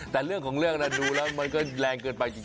แต่เรื่องของเรื่องดูแล้วมันก็แรงเกินไปจริง